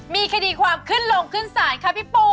มีคดีความขึ้นลงขึ้นศาลค่ะพี่ปู